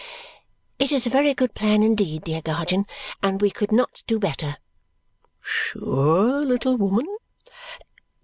"It is a very good plan indeed, dear guardian, and we could not do better." "Sure, little woman?"